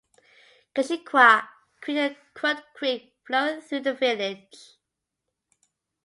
Keshequa Creek and Crooked Creek flow through the village.